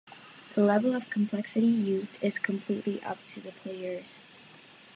The level of complexity used is completely up to the players.